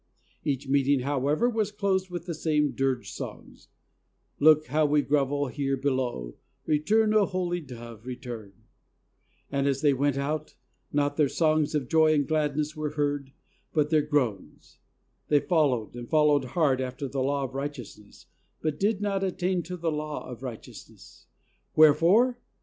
Each meeting, however, was closed with the same dirge songs: "Look ho^w we groyel here below," "Return, O Holy Dove, return," and as they went out, not their songs of joy and gladness were heard, but their groans ; 'They followed, and followed hard after the law of righteousness, but did not attain to the law of righteousness. Where fore?